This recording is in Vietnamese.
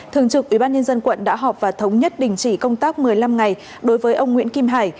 thường trực ubnd quận đã họp và thống nhất đình chỉ công tác một mươi năm ngày đối với ông nguyễn kim hải